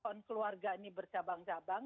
kon keluarga ini bercabang cabang